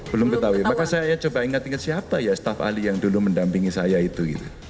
belum ketahui maka saya coba ingat ingat siapa ya staff ahli yang dulu mendampingi saya itu